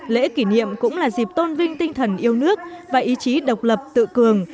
lễ kỷ niệm cũng là dịp tôn vinh tinh thần yêu nước và ý chí độc lập tự cường